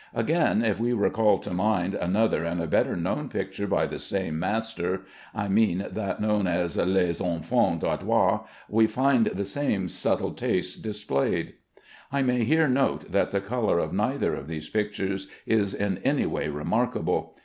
Again, if we recall to mind another and a better known picture by the same master, I mean that known as "Les Enfants d'Edouard," we find the same subtle taste displayed. I may here note that the color of neither of these pictures is in any way remarkable.